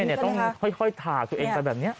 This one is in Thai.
ต้องค่อยถากตัวเองไปแบบนี้